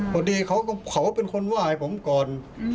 พอดีเขาก็เป็นคนว่ายผมก่อน